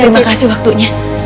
terima kasih waktunya